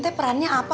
saya perannya apa pak